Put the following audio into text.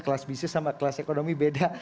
kelas bisnis sama kelas ekonomi beda